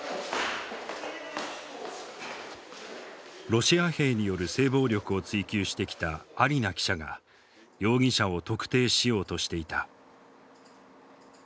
ロシア兵による性暴力を追及してきたアリナ記者が容疑者を特定しようとしていた。